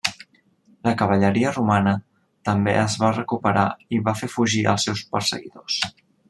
La cavalleria romana també es va recuperar i va fer fugir els seus perseguidors.